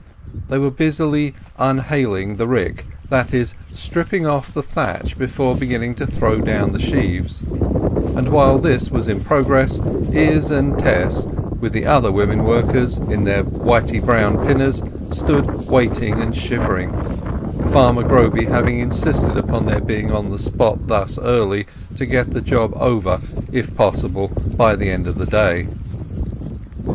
They were busily "unhaling" the rick, that is, stripping off the thatch before beginning to throw down the sheaves; and while this was in progress Izz and Tess, with the other women workers, in their whitey brown pinners, stood waiting and shivering, Farmer Groby having insisted upon their being on the spot thus early to get the job over if possible by the end of the day.